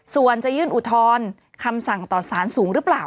ส่วนจะยื่นอุทธรณ์คำสั่งต่อสารสูงหรือเปล่า